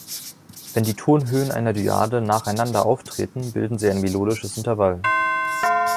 Wenn die Tonhöhen einer Dyade nacheinander auftreten, bilden sie ein melodisches Intervall.